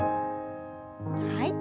はい。